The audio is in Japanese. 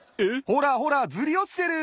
ほらほらずりおちてる。